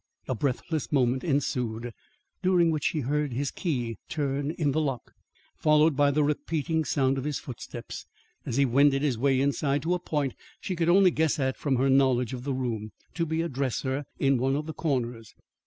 A breathless moment ensued, during which she heard his key turn in the lock, followed by the repeating sound of his footsteps, as he wended his way inside to a point she could only guess at from her knowledge of the room, to be a dresser in one of the corners.